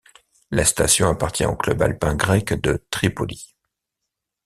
La station appartient au Club alpin grec de Tripoli.